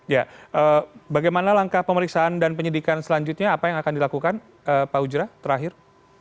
ya bagaimana langkah pemeriksaan dan penyidikan selanjutnya apa yang akan dilakukan pak ujra terakhir